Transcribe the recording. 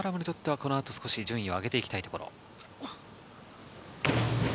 このあと少し順位を上げていきたいところ。